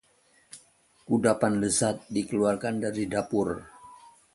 Kudapan lezat dikeluarkan dari dapur